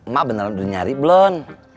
ma beneran udah nyari belum